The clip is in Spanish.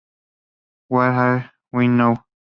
Where Are We Now?